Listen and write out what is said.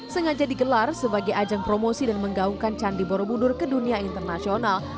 sengaja digelar sebagai ajang promosi dan menggaungkan candi borobudur ke dunia internasional